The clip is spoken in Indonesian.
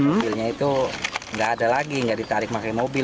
mobilnya itu nggak ada lagi nggak ditarik pakai mobil